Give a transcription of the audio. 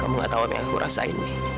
kamu tidak tahu apa yang aku rasakan